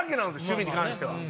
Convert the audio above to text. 守備に関しては。